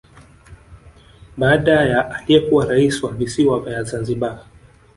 Baada ya aliyekuwa rais wa Visiwa vya Zanzibari